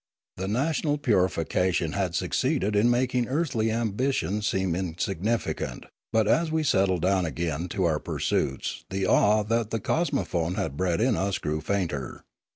The national puri fication had succeeded in making earthly ambitions seem insignificant, but as we settled down again to our pursuits the awe that the cosmophone had bred in us grew fainter.